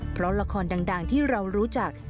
เพราะละครดังที่เรารู้จัก